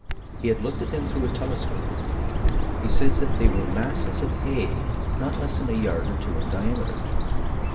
He had looked at them through a telescope. He says that they were masses of hay, not less than a yard or two in diameter.